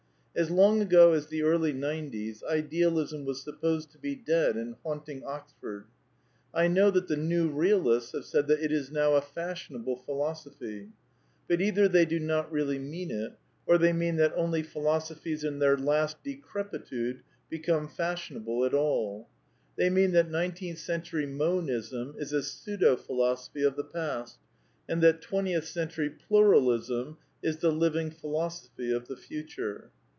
As long ago as the early 'nineties Idealism was sup posed to be dead and haunting Oxford. I know that the ^New Bealists have said that it is now a fashionable phi jophy. But either they do not really mean it, or tiiey in that only philosophies in their last decrepitude be come fashionable at all. They mean that nineteenth cen tury Monism is a pseudo philosophy of the past, and that twentieth century Pluralism is the living philosophy of the future.